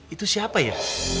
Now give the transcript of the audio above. itu siapa ya